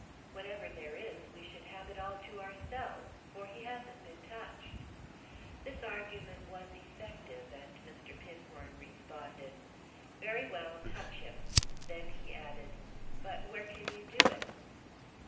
"Whatever there is we should have it all to ourselves, for he hasn't been touched." This argument was effective and Mr. Pinhorn responded. "Very well, touch him." Then he added: "But where can you do it?"